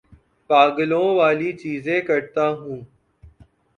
پاگلوں والی چیزیں کرتا ہوں